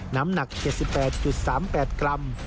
น้ำหนัก๗๘๓๘กรัม